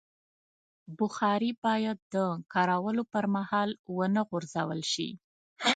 بخاري باید د کارولو پر مهال ونه غورځول شي.